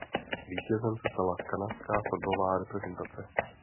Vítězem se stala Kanadská fotbalová reprezentace.